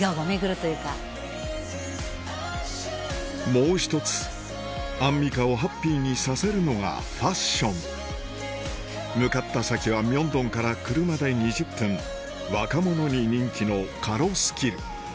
もう一つアンミカをハッピーにさせるのがファッション向かった先は明洞から車で２０分若者に人気のカロスキル